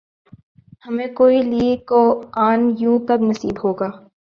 ہمیں کوئی لی کوآن یو کب نصیب ہوگا؟